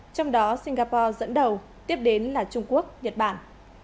trong đó singapore dẫn đầu tiếp đến là trung quốc nhật bản